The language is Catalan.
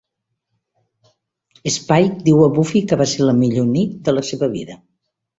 Spike diu a Buffy que va ser la millor nit de la seva vida.